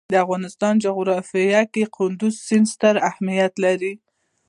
د افغانستان جغرافیه کې کندز سیند ستر اهمیت لري.